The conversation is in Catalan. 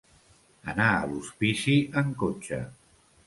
Anar a l'hospici en cotxe.